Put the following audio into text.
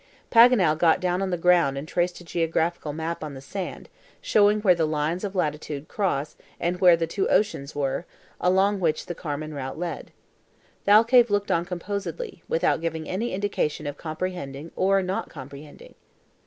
Paganel got down on the ground and traced a geographical map on the sand, showing where the lines of latitude and longitude cross and where the two oceans were, along which the Carmen route led. Thalcave looked on composedly, without giving any indication of comprehending or not comprehending.